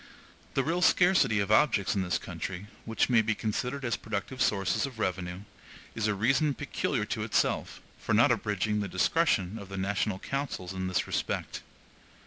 The real scarcity of objects in this country, which may be considered as productive sources of revenue, is a reason peculiar to itself, for not abridging the discretion of the national councils in this respect.